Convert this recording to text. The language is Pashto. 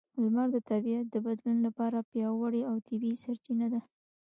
لمر د طبیعت د بدلون لپاره پیاوړې او طبیعي سرچینه ده.